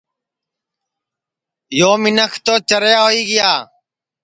یو منکھ توچاوا ہوئی گا